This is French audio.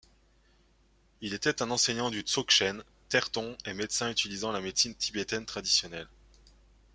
Il était un enseignant du Dzogchen, tertön et médecin utilisant la médecine tibétaine traditionnelle.